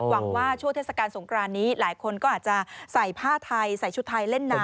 ว่าช่วงเทศกาลสงครานนี้หลายคนก็อาจจะใส่ผ้าไทยใส่ชุดไทยเล่นน้ำ